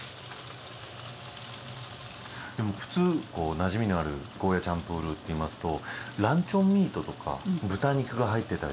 でも普通こうなじみのあるゴーヤーちゃんぷーるーっていいますとランチョンミートとか豚肉が入ってたりとか。